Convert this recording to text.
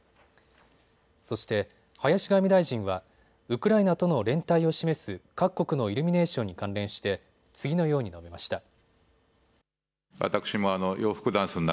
そして、林外務大臣はウクライナとの連帯を示す各国のイルミネーションに関連して次のように述べました。